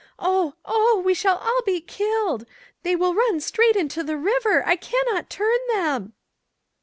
Oh! oh! we shall all be killed. They will run right straight into the river; I can not turn them